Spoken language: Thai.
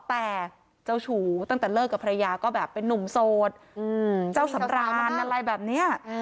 แต่เจ้าชูตั้งแต่เลิกกับภรรยาก็แบบเป็นนุ่มโสดเจ้าสำรานอะไรแบบนี้